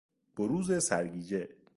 بروز سرگیجه